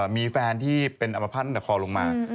มีแฟนที่เป็นอมภาษณ์จากคอลงมา